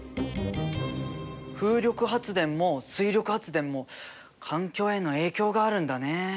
風力発電も水力発電も環境への影響があるんだね。